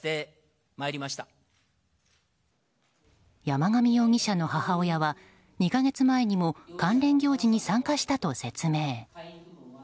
山上容疑者の母親は２か月前にも関連行事に参加したと説明。